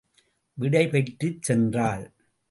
விடை பெற்றுச் சென்றாள்.